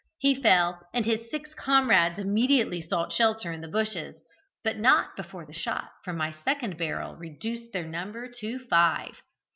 He fell; and his six comrades immediately sought shelter in the bushes, but not before the shot from my second barrel reduced their number to five.